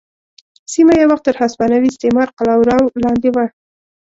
سیمه یو وخت تر هسپانوي استعمار قلمرو لاندې وه.